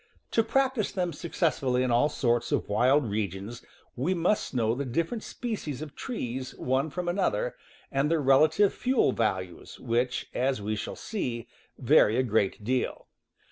To prac tice them successfully in all sorts of wild regions we . must know the different species of trees _,. one from another, and their relative fuel values, which, as we shall see, vary a great deal.